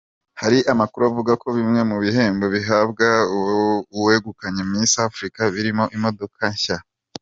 Hari amakuru avuga ko bimwe mu bihembo bihabwa uwegukanye Misi Afurika birimo imodoka nshya.